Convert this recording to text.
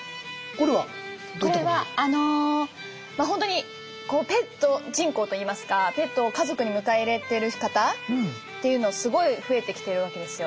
これはあのほんとにペット人口といいますかペットを家族に迎え入れてる方っていうのはすごい増えてきてるわけですよ。